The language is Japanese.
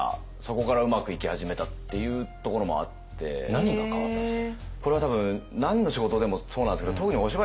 何が変わったんですか？